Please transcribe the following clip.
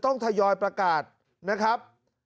ทยอยประกาศนะครับ